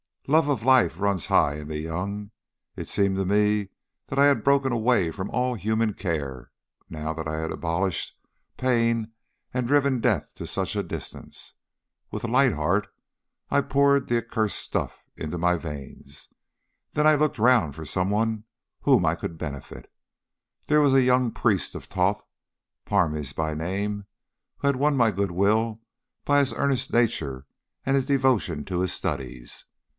"Love of life runs high in the young. It seemed to me that I had broken away from all human care now that I had abolished pain and driven death to such a distance. With a light heart I poured the accursed stuff into my veins. Then I looked round for some one whom I could benefit. There was a young priest of Thoth, Parmes by name, who had won my goodwill by his earnest nature and his devotion to his studies.